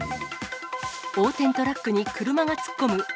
横転トラックに車が突っ込む。